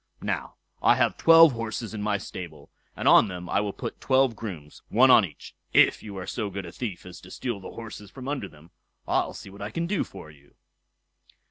Now, I have twelve horses in my stable, and on them I will put twelve grooms, one on each. If you are so good a thief as to steal the horses from under them, I'll see what I can do for you."